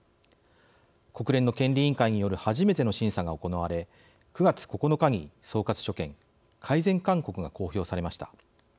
国連の権利委員会による初めての審査が行われ９月９日に総括所見改善勧告が公表されました。